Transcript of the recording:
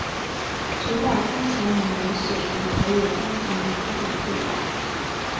直到开成五年史籍才有关于他的记载。